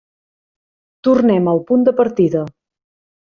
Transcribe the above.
Tornem al punt de partida.